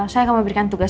saya akan memberikan tugas